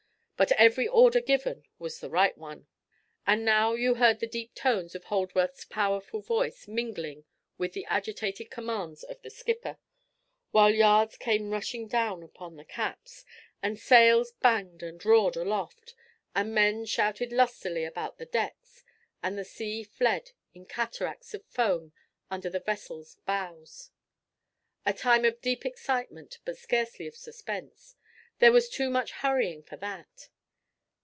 But every order given was the right one. And now you heard the deep tones of Holdsworth's powerful voice mingling with the agitated commands of the skipper, while yards came rushing down upon the caps, and sails banged and roared aloft, and men shouted lustily about the decks, and the sea fled in cataracts of foam under the vessel's bows. A time of deep excitement, but scarcely of suspense—there was too much hurrying for that.